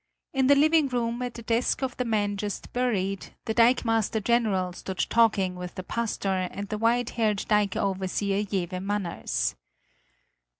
In the living room, at the desk of the man just buried, the dikemaster general stood talking with the pastor and the white haired dike overseer Jewe Manners.